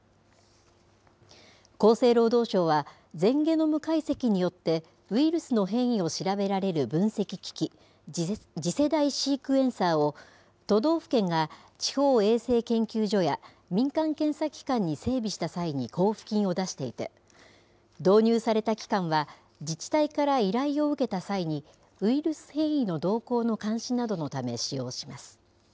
厚生労働省は、全ゲノム解析によって、ウイルスの変異を調べられる分析機器、次世代シークエンサーを、都道府県が地方衛生研究所や、民間検査機関に整備した際に交付金を出していて、導入された機関は、自治体から依頼を受けた際にウイルス変異の動向の監視などのため使用します。